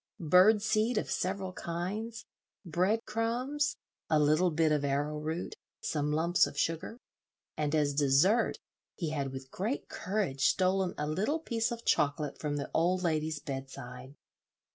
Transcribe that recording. Bird seed of several kinds, bread crumbs, a little bit of arrowroot, some lumps of sugar, and as dessert he had with great courage stolen a little piece of chocolate from the old lady's bedside.